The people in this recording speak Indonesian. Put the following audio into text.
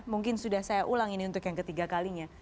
mungkin sudah saya ulang ini untuk yang ketiga kalinya